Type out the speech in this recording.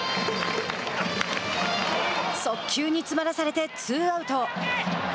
速球に詰まらされてツーアウト。